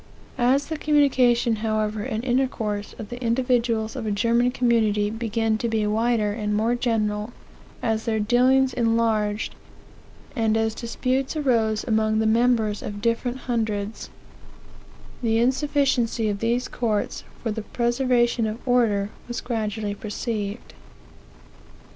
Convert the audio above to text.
"As the communication, however, and intercourse, of the individuals of a German community began to be wider, and more general, as their dealings enlarged, and as disputes arose among the members of different hundreds, the insufficiency of these courts for the preservation of order was gradually perceived.